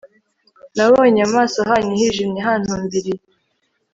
nabonye mu maso hanyu hijimye hantumbiriye